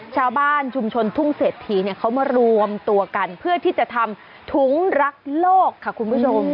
ชาวบ้านชุมชนทุ่งเศรษฐีเนี่ยเขามารวมตัวกันเพื่อที่จะทำถุงรักโลกค่ะคุณผู้ชม